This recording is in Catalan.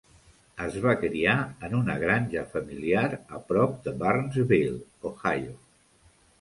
Es va criar en una granja familiar a prop de Barnesville, Ohio.